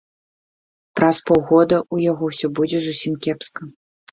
Праз паўгода ў яго ўсё будзе зусім кепска.